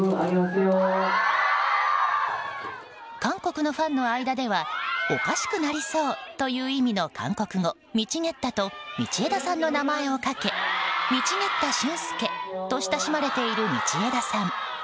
韓国のファンの間ではおかしくなりそうという意味の韓国語ミチゲッタと道枝さんの名前をかけミチゲッタシュンスケと親しまれている道枝さん。